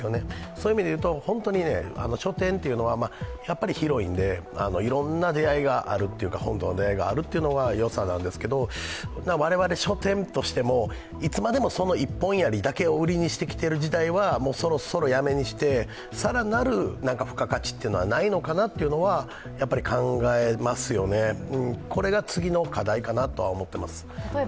そういう意味で言うと、書店というのはやっぱり広いんで、いろんな出会いがあるっていうか本との出会いがあるのはよさなんですけれども我々書店としても、いつまでもその一本槍を売りにしている時代はもうそろそろやめにして、更なる付加価値はないのかなとやっぱり考えますよね、これが次の課題かなとは思っています。